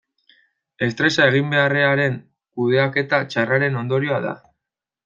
Estresa eginbeharraren kudeaketa txarraren ondorioa da.